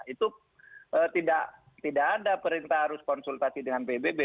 itu tidak ada perintah harus konsultasi dengan pbb